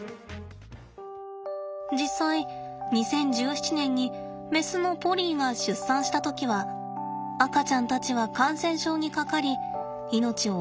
実際２０１７年にメスのポリーが出産した時は赤ちゃんたちは感染症にかかり命を落としてしまいました。